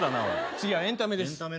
次はエンタメです。